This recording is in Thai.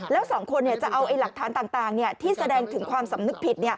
แล้วสองคนจะเอาหลักฐานต่างที่แสดงถึงความสำนึกผิด